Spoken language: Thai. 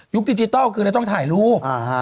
ยุคดิจิทัลก็เลยต้องถ่ายรูป